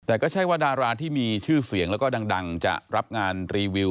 แต่ก็ใช่ว่าดาราที่มีชื่อเสียงแล้วก็ดังจะรับงานรีวิว